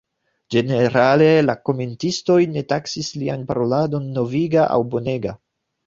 Ĝenerale, la komentistoj ne taksis lian paroladon noviga aŭ bonega.